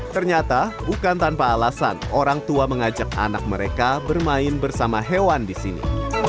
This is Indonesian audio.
ternyata bukan tanpa alasan orang tua mengajak anak mereka bermain bersama hewan di sini